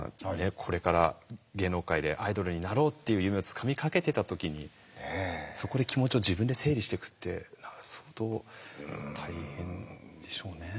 これから芸能界でアイドルになろうっていう夢をつかみかけてた時にそこで気持ちを自分で整理してくって相当大変でしょうね。